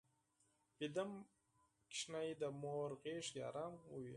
ویده ماشوم د مور غېږ کې ارام وي